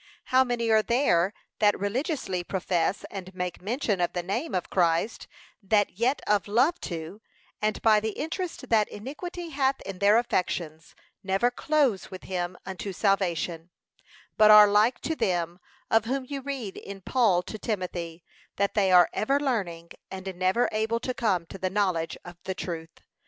How many are there that religiously profess and make mention of the name of Christ, that yet of love to, and by the interest that iniquity hath in their affections, never close with him unto salvation, but are like to them, of whom you read in Paul to Timothy, that they are ever learning and never able to come to the knowledge of the truth.